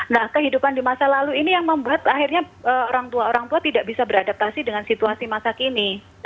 nah kehidupan di masa lalu ini yang membuat akhirnya orang tua orang tua tidak bisa beradaptasi dengan situasi masa kini